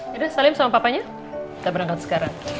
yaudah salim sama papanya kita berangkat sekarang